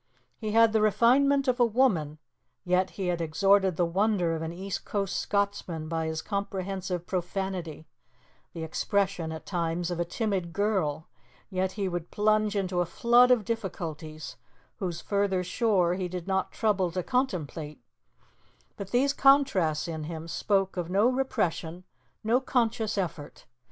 He had the refinement of a woman, yet he had extorted the wonder of an east coast Scotsman by his comprehensive profanity; the expression, at times, of a timid girl, yet he would plunge into a flood of difficulties, whose further shore he did not trouble to contemplate; but these contrasts in him spoke of no repression, no conscious effort.